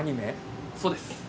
そうです。